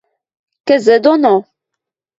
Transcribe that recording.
– Кӹзӹ доно.